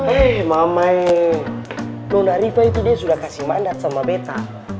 eh mama luna riva itu dia sudah kasih mandat sama beta